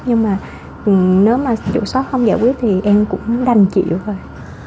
nhưng mà nếu mà chủ sh không giải quyết thì em cũng đành chịu thôi